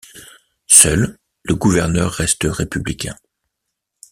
Seul, le gouverneur reste républicain.